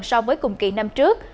so với cùng kỳ năm trước